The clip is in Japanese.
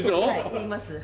言います。